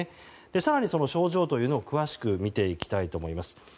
更にその症状というのを詳しく見ていきたいと思います。